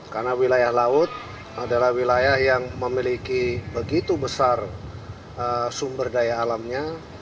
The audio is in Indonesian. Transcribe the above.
karena wilayah laut adalah wilayah yang memiliki begitu besar sumber daya alamnya